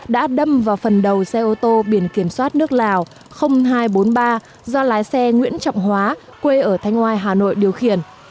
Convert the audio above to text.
đã đâm vào phần đầu xe ô tô biển kiểm soát nước lào hai trăm bốn mươi ba do lái xe nguyễn trọng hóa quê ở thanh oai hà nội điều khiển